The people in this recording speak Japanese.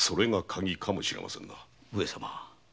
上様！